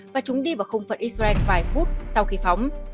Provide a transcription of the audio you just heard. và chúng đi vào không phận israel vài phút sau khi phóng